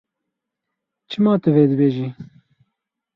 Çima tu vê dibêjî?